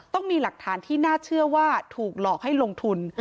ต้องมีหลักฐานที่น่าเชื่อว่าถูกหลอกให้ลงทุน